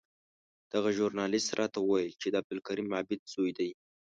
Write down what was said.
دغه ژورنالېست راته وویل چې د عبدالکریم عابد زوی دی.